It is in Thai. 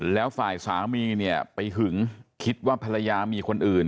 แล้วฝ่ายสามีเนี่ยไปหึงคิดว่าภรรยามีคนอื่น